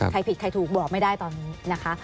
ใครผิดใครถูกบอกไม่ได้ตอนนี้นะคะ